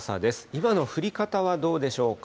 今の降り方はどうでしょうか。